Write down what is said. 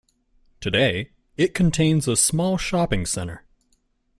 Today it contains a small shopping centre.